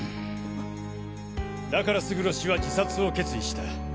だから勝呂氏は自殺を決意した。